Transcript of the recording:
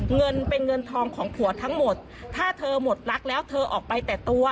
เงินเป็นเงินทองของผัวทั้งหมดถ้าเธอหมดรักแล้วเธอออกไปแต่ตัว